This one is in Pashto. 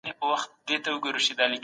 ادبیات تخلیقي او تحقیقي اړخونه لري.